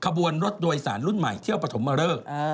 ขบวนรถโดยสารรุ่นใหม่เที่ยวปฐมเริก